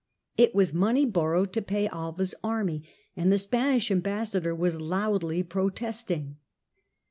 It was money borrowed to pay Alva's army, and the Spanish Ambassador was loudly protesting.